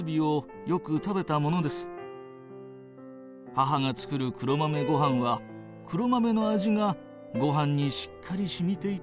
「母がつくる黒豆ごはんは、黒豆の味がごはんにしっかり染みていておいしかった。